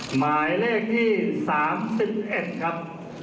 หมายเลขที่๓๑ครับ